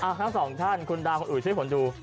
อ่ะครั้งสองท่านคุณดาคนอื่นช่วยผ่อนดู